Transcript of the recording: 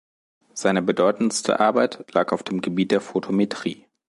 Seine bedeutendste Arbeit lag auf dem Gebiet der Photometrie.